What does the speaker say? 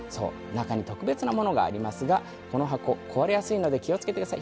中に特別なものがありますがこの箱壊れやすいので気を付けてください。